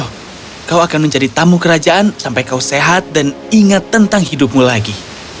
oh kau akan menjadi tamu kerajaan sampai kau sehat dan ingat tentang hidupmu lagi